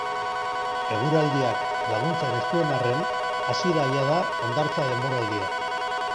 Eguraldiak laguntzen ez duen arren, hasi da jada hondartza denboraldia.